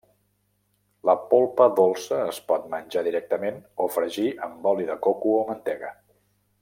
La polpa dolça es pot menjar directament o fregir amb oli de coco o mantega.